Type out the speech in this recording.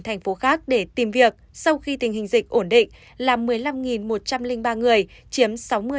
thành phố khác để tìm việc sau khi tình hình dịch ổn định là một mươi năm một trăm linh ba người chiếm sáu mươi